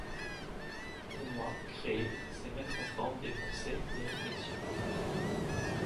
Pour moi, créer, c’est mettre en forme des pensées, des réflexions.